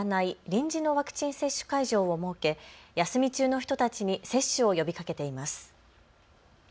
臨時のワクチン接種会場を設け、休み中の人たちに接種を呼びかけています。